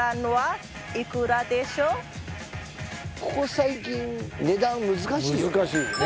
ここ最近値段難しいよね